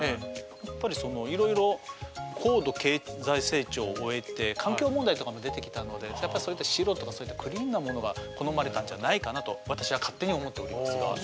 やっぱりいろいろ高度経済成長を終えて環境問題とかも出てきたのでやっぱりそういった白とかクリーンなものが好まれたんじゃないかなと私は勝手に思っておりますが。